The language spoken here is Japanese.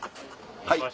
はい。